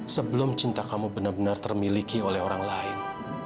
sebelum cinta kamu benar benar termiliki oleh orang lain